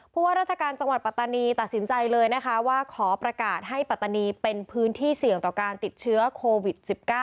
ว่าราชการจังหวัดปัตตานีตัดสินใจเลยนะคะว่าขอประกาศให้ปัตตานีเป็นพื้นที่เสี่ยงต่อการติดเชื้อโควิด๑๙